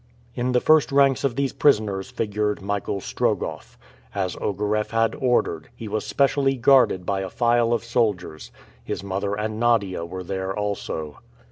In the first ranks of these prisoners figured Michael Strogoff. As Ogareff had ordered, he was specially guarded by a file of soldiers. His mother and Nadia were there also.